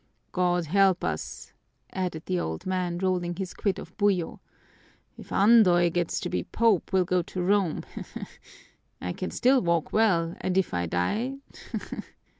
"God help us!" added the old man, rolling his quid of buyo. "If Andoy gets to be Pope we'll go to Rome he, he! I can still walk well, and if I die he, he!"